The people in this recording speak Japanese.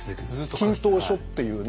「金島書」っていうね